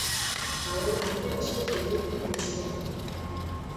Gauerarte ez dute irekitzea espero.